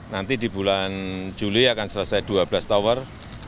nanti di bulan juli akan selesai dua belas tower